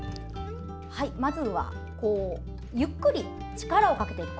まずは、ゆっくり力をかけていく。